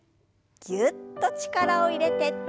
ぎゅっと力を入れて。